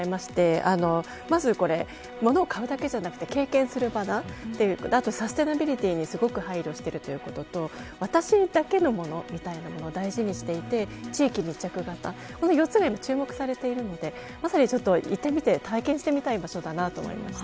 まず、物を買うだけじゃなくて経験する場サステナビリティにすごく配慮していることと私だけのものということを大事にしていて地域密着型、４つの意味で注目されているので行ってみて体験してみたい場所だなと思いました。